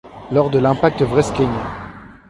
Lors de l'Impact Wrestling!